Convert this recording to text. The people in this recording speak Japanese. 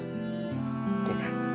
ごめん。